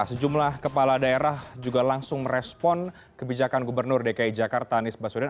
sejumlah kepala daerah juga langsung merespon kebijakan gubernur dki jakarta anies baswedan